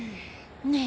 ねえ